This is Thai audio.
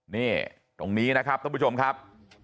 นี่ตรงนี้นะครับท่านผู้ชมครับ